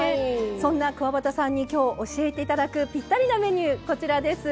そんなくわばたさんに今日教えて頂くぴったりなメニューこちらです。